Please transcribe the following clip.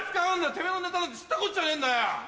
てめぇのネタなんて知ったこっちゃねえんだよ！